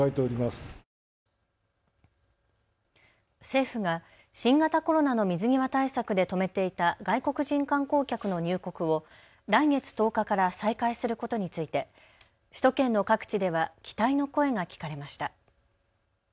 政府が新型コロナの水際対策で止めていた外国人観光客の入国を来月１０日から再開することについて首都圏の各地では期待の声が聞かれました。